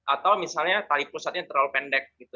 atau misalnya tali pusatnya terlalu pendek gitu